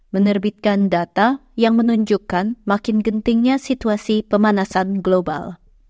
menerbitkan data yang menunjukkan makin gentingnya situasi pemanasan global